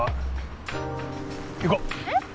行こう！え？